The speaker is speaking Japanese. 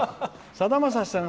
「さだまさしさん